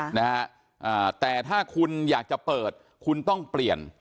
นะฮะอ่าแต่ถ้าคุณอยากจะเปิดคุณต้องเปลี่ยน